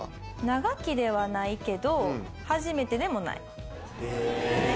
長きではないけど、初めてでもない。